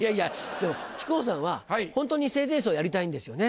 でも木久扇さんはホントに生前葬をやりたいんですよね？